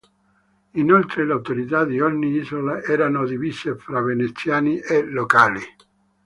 Inoltre, le autorità di ogni isola erano divise fra veneziani e locali.